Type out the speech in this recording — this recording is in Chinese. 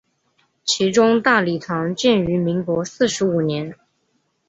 其中大礼堂建于民国四十五年。